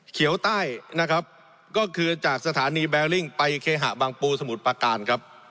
เขียวใต้นะครับก็คือจากสถานีแบลลิ่งไปเคหะบางปูสมุทรประการครับ